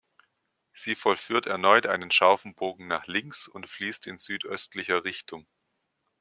Sie vollführt erneut einen scharfen Bogen nach links und fließt in südöstlicher Richtung.